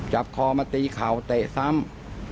จับคอมาตีเข่าเตะซ้ำ